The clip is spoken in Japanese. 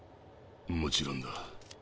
もちろんだ。